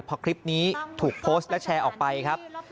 พอคลิปนี้ถูกโพสต์และแชร์ออกไปครับ